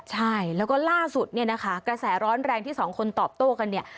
ใช่แล้วก็ล่าสุดกระแสร้อนแรงที่สองคนตอบโต้กัน